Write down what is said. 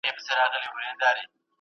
تل به غلام وي د ګاونډیانو `